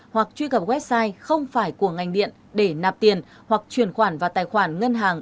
hoặc truy cập website không phải của ngành điện để nạp tiền hoặc chuyển khoản vào tài khoản ngân hàng